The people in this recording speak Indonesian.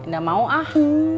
gak mau ah